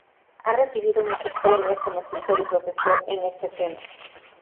Ha recibido muchos premios como escritor y profesor en este tema.